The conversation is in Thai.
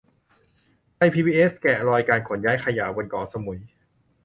ไทยพีบีเอสแกะรอยการขนย้ายขยะบนเกาะสมุย